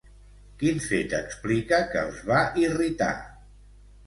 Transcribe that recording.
Quin fet explica que els va irritar?